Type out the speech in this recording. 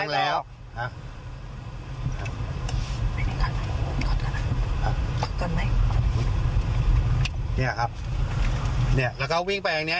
แล้วก็วิ่งไปอย่างนี้